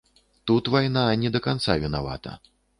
Тут вайна не да канца вінавата.